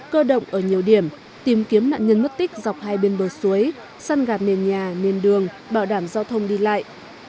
cơ động ở nhiều điểm tìm kiếm nạn nhân mất tích dọc hai bên bờ suối săn gạt nền nhà nền đường bảo đảm giao thông đi lại